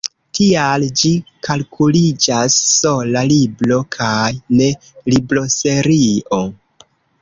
Tial ĝi kalkuliĝas sola libro kaj ne libroserio.